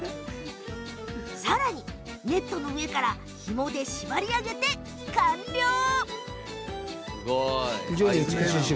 さらに、ネットの上からひもで縛り上げて完了。